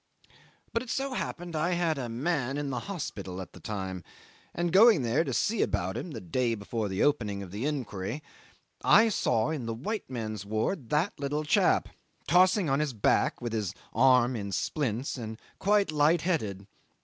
'But it so happened that I had a man in the hospital at the time, and going there to see about him the day before the opening of the Inquiry, I saw in the white men's ward that little chap tossing on his back, with his arm in splints, and quite light headed.